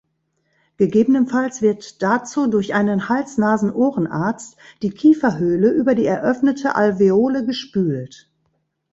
Gegebenenfalls wird dazu durch einen Hals-Nasen-Ohrenarzt die Kieferhöhle über die eröffnete Alveole gespült.